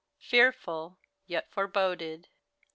Fearful, yet foreboded!